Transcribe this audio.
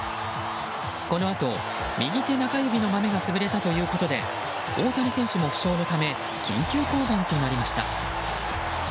このあと右手中指のまめが潰れたということで大谷選手も負傷のため緊急降板となりました。